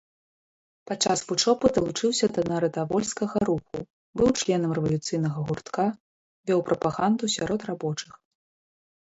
Падчас вучобы далучыўся да нарадавольскага руху, быў членам рэвалюцыйнага гуртка, вёў прапаганду сярод рабочых.